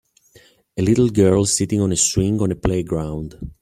A little girl sitting on a swing on a playground.